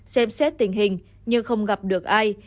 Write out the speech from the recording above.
xem xét tình hình nhưng không gặp được ai